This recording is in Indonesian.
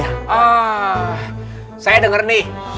ah saya denger nih